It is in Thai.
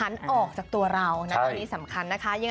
ออกจากตัวเรานะอันนี้สำคัญนะคะ